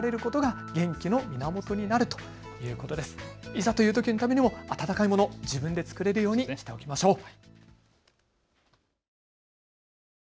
いざというときのためにも温かいもの、自分で作れるようにしておきましょう。